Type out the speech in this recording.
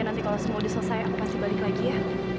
nanti kalau semua diselesai aku pasti balik lagi ya